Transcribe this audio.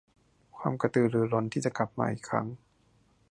ความกระตือรือร้นที่จะกลับมาอีกครั้ง